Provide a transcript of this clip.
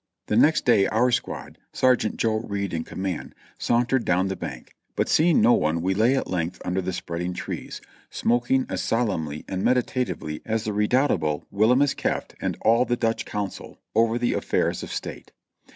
The next day our squad. Sergeant Joe Reid in command, saun tered down the bank, but seeing no one we lay at length under the spreading trees, smoking as solemnly and meditatively as the re doubtable Wilhelmus Keaft and all the Dutch Council, over the affairs of state.